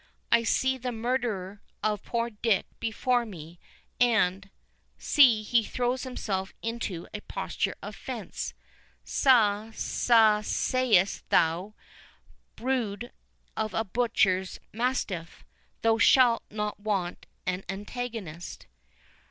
—I see the murderer of poor Dick before me, and—see, he throws himself into a posture of fence—Sa—sa—say'st thou, brood of a butcher's mastiff? thou shalt not want an antagonist."